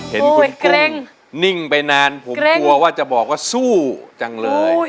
เห็นคุณเกร็งนิ่งไปนานผมกลัวว่าจะบอกว่าสู้จังเลย